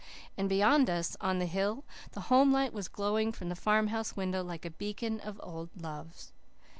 And beyond us, on the hill, the homelight was glowing from the farmhouse window like a beacon of old loves.